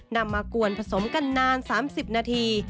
มากวนผสมกันนาน๓๐นาที